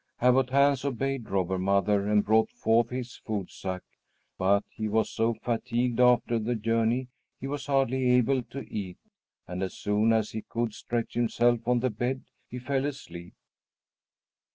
Abbot Hans obeyed Robber Mother and brought forth his food sack; but he was so fatigued after the journey he was hardly able to eat, and as soon as he could stretch himself on the bed, he fell asleep.